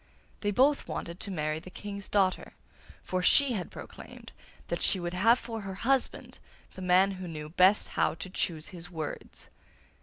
They both wanted to marry the King's daughter, for she had proclaimed that she would have for her husband the man who knew best how to choose his words.